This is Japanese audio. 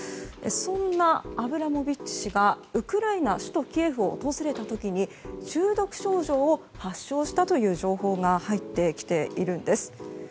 そんなアブラモビッチ氏がウクライナの首都キエフを訪れた時に中毒症状を発症したという情報が入ってきているんです。